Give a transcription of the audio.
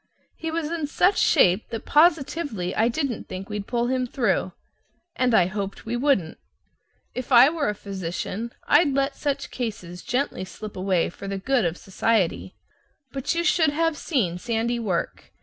He was in such shape that positively I didn't think we'd pull him through and I hoped we wouldn't. If I were a physician, I'd let such cases gently slip away for the good of society; but you should have seen Sandy work!